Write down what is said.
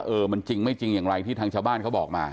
เออมันจริงไม่จริงอย่างไรที่ทางชาวบ้านเขาบอกมา